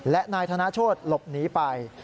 และนายธนโชธหลบหนีไป